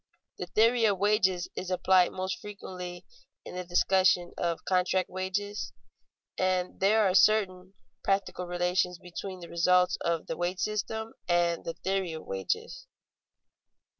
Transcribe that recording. The theory of wages is applied most frequently in the discussion of contract wages, and there are certain practical relations between the results of the wage system and the theory of wages.